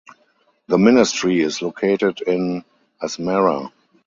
The ministry is located in Asmara.